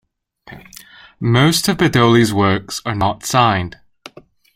Most of Bedoli's works are not signed.